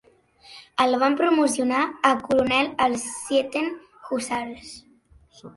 El van promocionar a coronel als Zieten-Hussars.